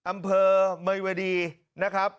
อำเภอเมยวดีนะครับ